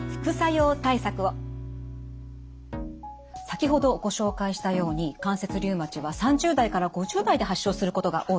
先ほどご紹介したように関節リウマチは３０代から５０代で発症することが多いとお伝えしましたよね。